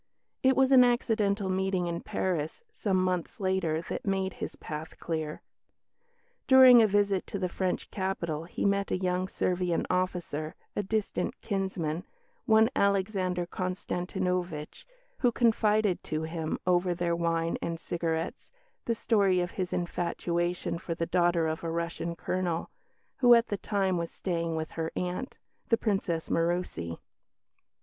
It was an accidental meeting in Paris, some months later, that made his path clear. During a visit to the French capital he met a young Servian officer, a distant kinsman, one Alexander Konstantinovitch, who confided to him, over their wine and cigarettes, the story of his infatuation for the daughter of a Russian colonel, who at the time was staying with her aunt, the Princess Murussi.